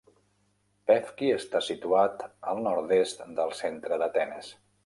Pefki està situat al nord-est del centre d'Atenes.